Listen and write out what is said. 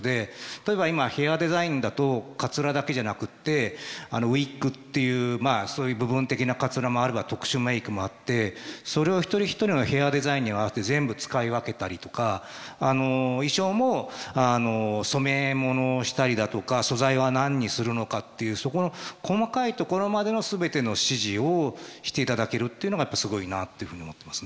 例えば今ヘアデザインだとかつらだけじゃなくってウイッグっていうそういう部分的なかつらもあるわ特殊メークもあってそれを一人一人のヘアデザインに合わせて全部使い分けたりとか衣装も染め物をしたりだとか素材は何にするのかっていうそこの細かいところまでの全ての指示をしていただけるっていうのがすごいなっていうふうに思ってますね。